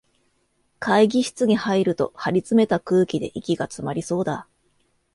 会議室に入ると、張りつめた空気で息がつまりそうだ